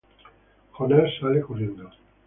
Jonas sale corriendo.